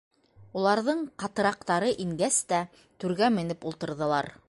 Уларҙың ҡартыраҡтары ингәс тә түргә менеп ултырҙылар.